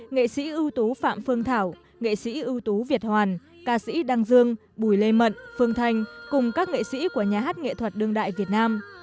nghệ sĩ ưu tú phạm phương thảo nghệ sĩ ưu tú việt hoàn ca sĩ đăng dương bùi lê mận phương thanh cùng các nghệ sĩ của nhà hát nghệ thuật đương đại việt nam